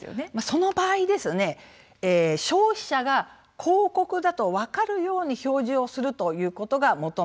その場合ですね消費者が広告だとわかるように表示をするということが求められるんですね。